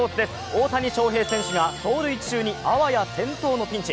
大谷翔平選手が走塁中にあわや転倒のピンチ。